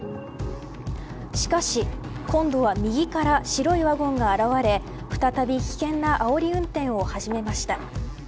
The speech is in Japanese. しかし、今度は右から白いワゴンが現れ再び危険なあおり運転を始めました。